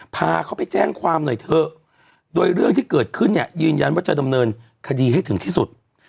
พาเขาไปแจ้งความหน่อยเถอะโดยเรื่องที่เกิดขึ้นเนี่ยยืนยันว่าจะดำเนินคดีให้ถึงที่สุด